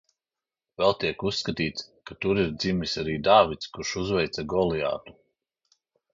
Vēl tiek uzskatīts, ka tur ir dzimis arī Dāvids, kurš uzveica Goliātu.